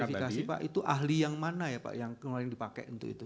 verifikasi pak itu ahli yang mana ya pak yang kemarin dipakai untuk itu